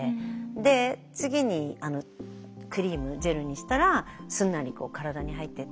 で次にクリームジェルにしたらすんなり体に入ってったので。